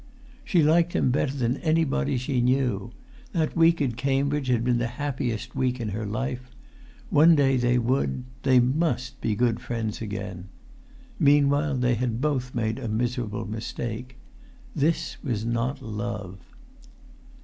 She liked him better than anybody she knew; that week at Cambridge had been the happiest week in her life; one day they would, they must, be good friends again. Meanwhile they had both made a miserable mistake. This was not love.